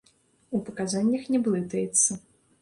У паказаннях не блытаецца.